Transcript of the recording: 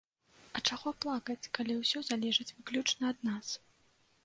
А чаго плакаць, калі ўсё залежыць выключна ад нас?